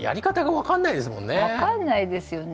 分かんないですよね。